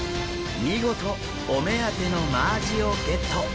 見事お目当てのマアジをゲット。